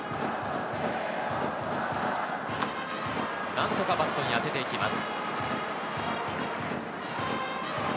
何とかバットに当てていきます。